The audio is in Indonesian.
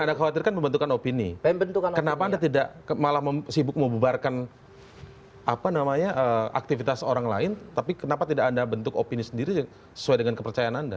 anda khawatirkan pembentukan opini kenapa anda tidak malah sibuk membubarkan aktivitas orang lain tapi kenapa tidak anda bentuk opini sendiri sesuai dengan kepercayaan anda